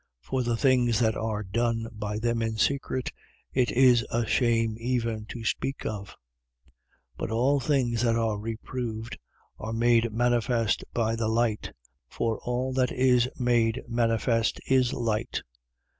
5:12. For the things that are done by them in secret, it is a shame even to speak of. 5:13. But all things that are reproved are made manifest by the light: for all that is made manifest is light.